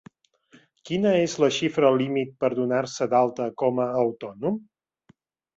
Quina és la xifra límit per donar-se d'alta com a autònom?